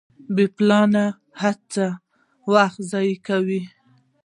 بې پلانه هڅه وخت ضایع کوي.